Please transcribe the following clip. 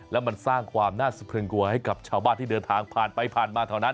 แล้วมันสร้างความน่าสะพรึงกลัวให้กับชาวบ้านที่เดินทางผ่านไปผ่านมาเท่านั้น